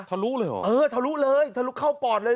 ลุเลยเหรอเออทะลุเลยทะลุเข้าปอดเลย